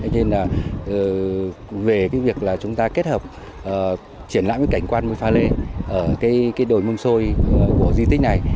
nên là về cái việc là chúng ta kết hợp triển lãm với cảnh quan mây pha lê ở cái đồi mâm xôi của di tích này